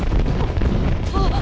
あっ！